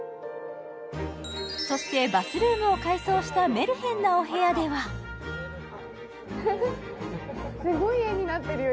そしてバスルームを改装したメルヘンなお部屋ではすごい絵になってるよ